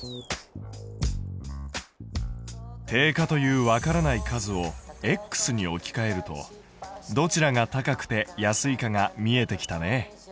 定価というわからない数をに置きかえるとどちらが高くて安いかが見えてきたね。